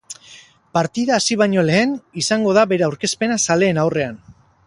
Partida hasi baino lehen izango da bere aurkezpena zaleen aurrean.